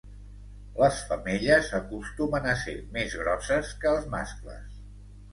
Les femelles acostumen a ser més grosses que els mascles.